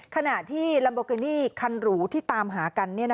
ขณะที่ลัมโบกินี่คันหรูที่ตามหากัน